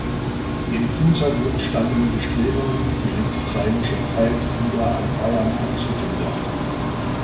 Im Hintergrund standen Bestrebungen, die linksrheinische Pfalz wieder an Bayern anzugliedern.